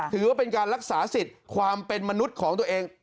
ถือว่าเป็นการรักษาสิทธิ์ความเป็นมนุษย์ของตัวเอง